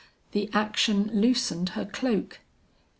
The action loosened her cloak.